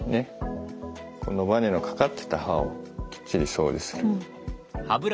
このバネのかかっていた歯をきっちり掃除する。